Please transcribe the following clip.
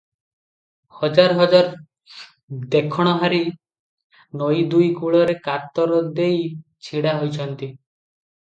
ହଜାର ହଜାର ଦେଖଣହାରୀ ନଈ ଦୁଇ କୂଳରେ କାତାର ଦେଇ ଛିଡ଼ା ହୋଇଛନ୍ତି ।